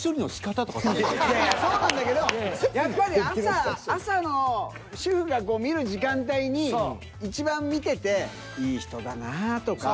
そうなんだけどやっぱり朝の主婦が見る時間帯にいちばん見てていい人だなぁとか。